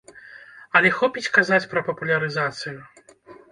Але хопіць казаць пра папулярызацыю.